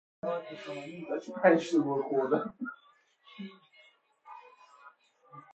پوشاندن زشتی بدی و عیب از الطاف بی بدیل خداوند نسبت به بنده است